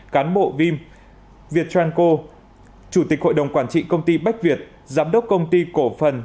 cán bộ vim việt tran co chủ tịch hội đồng quản trị công ty bách việt giám đốc công ty cổ phần